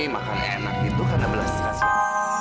makannya enak itu karena belas kasihan